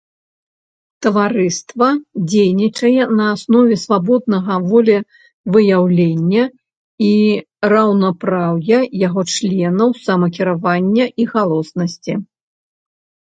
Таварыства дзейнічае на аснове свабоднага волевыяўлення і раўнапраўя яго членаў, самакіравання і галоснасці.